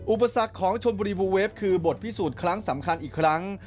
อุปสรรคของชนบุรีบูเวฟคือบทพิสูจน์ครั้งสำคัญอีกครั้ง